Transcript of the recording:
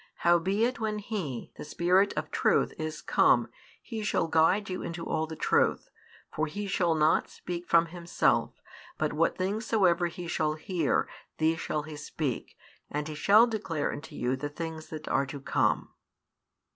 Howbeit when He, the Spirit of truth, is come, He shall guide you into all the truth: for He shall not speak from Himself; but what things soever He shall hear, these shall He speak; and He shall declare unto you the things that are to come.